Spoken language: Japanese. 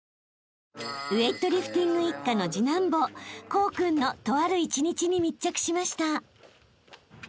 ［ウエイトリフティング一家の次男坊功君のとある一日に密着しました］